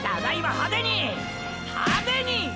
派手に！！